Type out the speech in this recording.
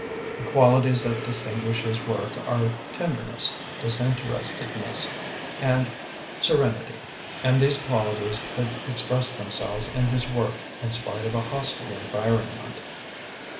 The qualities that distinguish his work are tenderness, disinterestedness, and se renity, and these qualities could ex press themselves in his work in spite of a hostile environment.